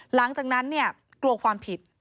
หลังจากนั้นกลัวความผิด